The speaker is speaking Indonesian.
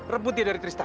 rebut dia dari tristan